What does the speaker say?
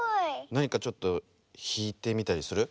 なにかちょっとひいてみたりする？